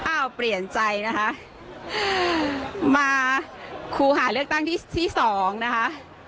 เปลี่ยนใจนะคะมาคู่หาเลือกตั้งที่ที่สองนะคะ